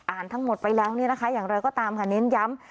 ทั้งหมดไปแล้วเนี่ยนะคะอย่างไรก็ตามค่ะเน้นย้ำ